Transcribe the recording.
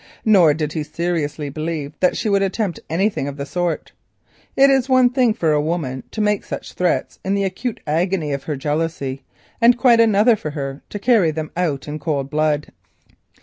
Nor did he seriously believe that she would attempt anything of the sort. It is one thing for a woman to make such threats in the acute agony of her jealousy, and quite another for her to carry them out in cold blood.